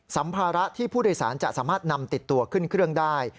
สัมภาระที่ผู้โดยสารจะสามารถนำติดตัวขึ้นเครื่องได้